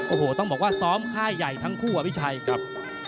โอ้โหต้องบอกว่าซ้อมค่ายใหญ่ทั้งคู่อะพี่ชัยครับ